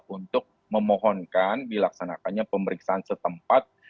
untuk memohonkan dilaksanakannya pemeriksaan setempat